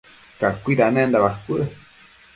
cacuidanenda bacuë